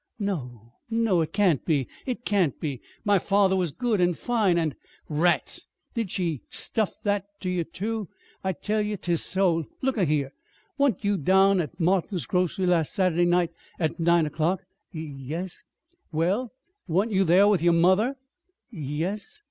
"No, no, it can't be it can't be! My father was good and fine, and " "Rats! Did she stuff ye ter that, too? I tell ye 'tis so. Say, look a here! Wa'n't you down ter Martin's grocery last Sat'day night at nine o'clock?" "Y yes." "Well, wa'n't you there with yer mother?" "Y yes."